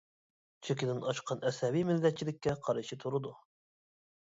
چېكىدىن ئاشقان ئەسەبى مىللەتچىلىككە قارشى تۇرىدۇ.